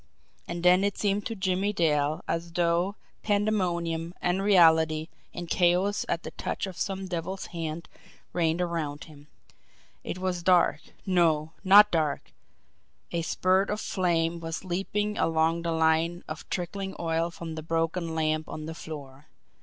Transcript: And then it seemed to Jimmie Dale as though pandemonium, unreality, and chaos at the touch of some devil's hand reigned around him. It was dark no, not dark a spurt of flame was leaping along the line of trickling oil from the broken lamp on the floor.